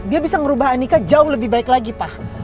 dia bisa merubah nikah jauh lebih baik lagi pak